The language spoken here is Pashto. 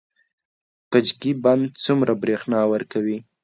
کجکي بند څومره بریښنا ورکوي؟